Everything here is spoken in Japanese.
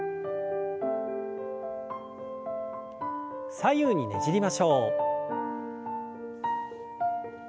左右にねじりましょう。